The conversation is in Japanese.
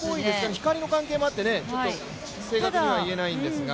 光の関係もあって正確には言えないんですが。